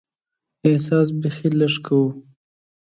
احساس بیخي لږ کوو.